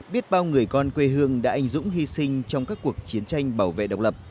biết bao người con quê hương đã ảnh dũng hy sinh trong các cuộc chiến tranh bảo vệ độc lập